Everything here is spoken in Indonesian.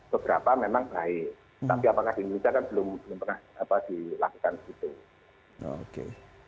beberapa memang baik tapi apakah di indonesia kan belum pernah dilakukan gitu